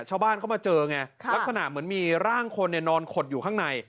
ชาวบ้านเขามาเจอไงลักษณะเหมือนมีร่างคนนอนขดอยู่ข้างใน